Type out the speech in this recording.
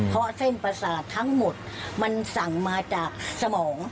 เพราะเส้นประสาททั้งหมดมันสั่งมาจากสมอง